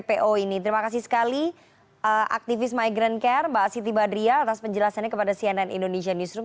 po ini terima kasih sekali aktivis migrant care mbak siti badriah atas penjelasannya kepada cnn indonesia newsroom